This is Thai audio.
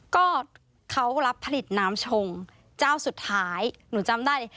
ก็เขารับผลิตน้ำชงเจ้าสุดท้ายหนูจำได้เลย